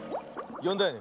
よんだよね？